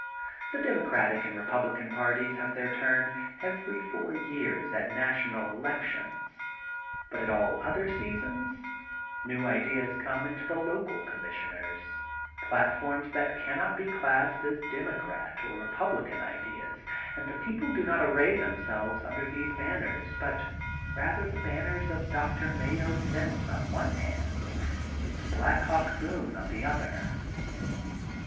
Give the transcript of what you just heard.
The Democratic and Republican parties have their turn every four years at national elec tions but at all other seasons new ideas come into the local commissioners, platforms that cannot be classed as Democratic or Republi can ideas and the people do not array them selves under those banners but rather the ban ners of Doctor Mayo Sims on the one hand and Black Hawk Boone on the other.